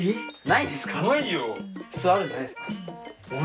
ないですか。